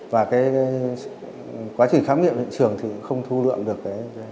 và cái quá trình khám nghiệm trường thì không thu lượng được cái công cụ gây án là cái vật tẩy